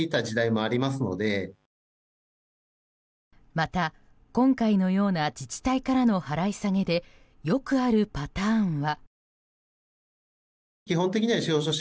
また、今回のような自治体からの払い下げでよくあるパターンは。